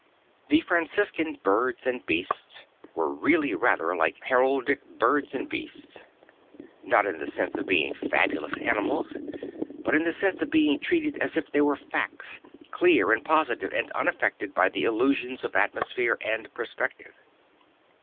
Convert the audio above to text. The Franciscan birds and beasts he Little Poor Man 101 were really rather like heraldic birds and beasts; not in the sense of being fabulous animals but in the sense of being treated as if they were facts, clear and positive and unaffected by the illusions of atmosphere and perspective.